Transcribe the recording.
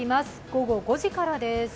午後５時からです。